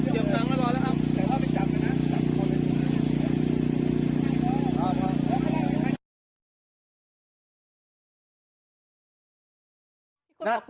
เจ็บหนังมากแล้วครับ